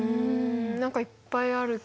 何かいっぱいあるね。